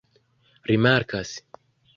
rimarkas